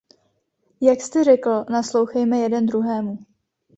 Jak jste řekl, naslouchejme jeden druhému.